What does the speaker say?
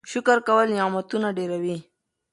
شکر کول نعمتونه ډېروي.